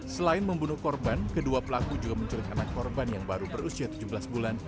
selain membunuh korban kedua pelaku juga menculik anak korban yang baru berusia tujuh belas bulan